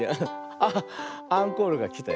あっアンコールがきたよ。